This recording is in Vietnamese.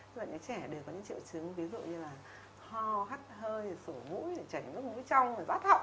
những trẻ đều có những triệu chứng ví dụ như là ho hắt hơi sổ mũi chảy nước mũi trong rát họng